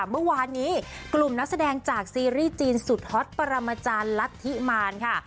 เมื่อวานนี้กลุ่มนักแสดงจากซีรีส์จีนสุดฮอตปรมาจารย์รัฐธิมารค่ะ